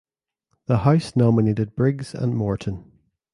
The House nominated Briggs and Morton.